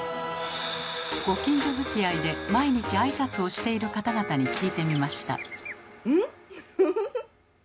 ご近所づきあいで毎日挨拶をしている方々に聞いてみました。